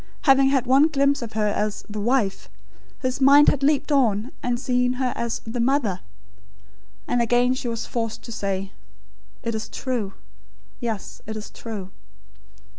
Having had one glimpse of her as "The Wife," his mind had leaped on, and seen her as "The Mother." And again she was forced to say: "It is true yes; it is true."